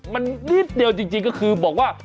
มันนิดเดียวจริงก็คือบอกว่า